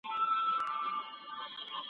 دا غمازان دي چې کاږه کتل کوینه